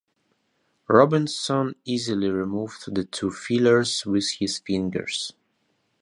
Robinson easily removed the two fillers with his fingers.